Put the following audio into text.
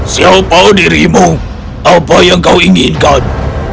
siapa dirimu apa yang kau inginkan